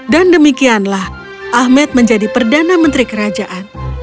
dan demikianlah ahmed menjadi perdana menteri kerajaan